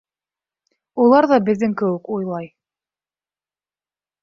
Улар ҙа беҙҙең кеүек уйлай!